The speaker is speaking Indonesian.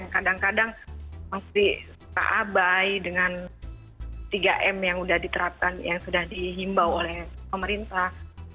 kadang kadang masih tak abai dengan tiga m yang sudah diterapkan yang sudah dihimbau oleh pemerintah